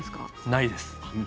ないです。